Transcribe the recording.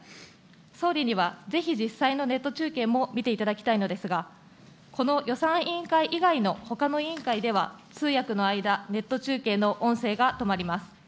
総理にはぜひ実際のネット中継も見ていただきたいのですが、この予算委員会以外のほかの委員会では、通訳の間、ネット中継の音声が止まります。